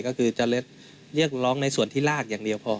ก็คือจะเรียกร้องในส่วนที่ลากอย่างเดียวพอ